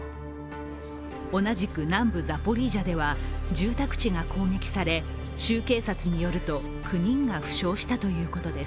同じく南部ザポリージャでは住宅地が攻撃され州警察によると、９人が負傷したということです。